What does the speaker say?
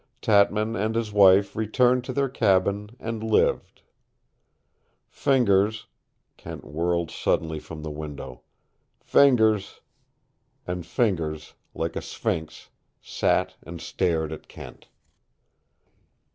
Tatman and his wife returned to their cabin and lived. Fingers " Kent whirled suddenly from the window. "Fingers " And Fingers, like a sphynx, sat and stared at Kent.